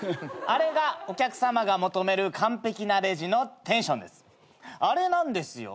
あれがお客さまが求める完璧なレジのテンションです。